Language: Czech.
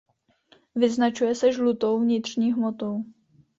Vyznačuje se žlutou vnitřní hmotou.